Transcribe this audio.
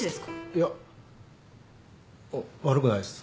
いや悪くないです。